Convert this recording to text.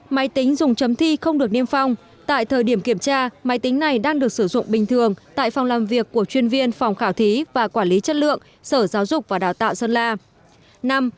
máy tính dùng chấm thi không được niêm phong tại thời điểm kiểm tra máy tính này đang được sử dụng bình thường tại phòng làm việc của chuyên viên phòng khảo thí và quản lý chất lượng sở giáo dục và đào tạo sơn la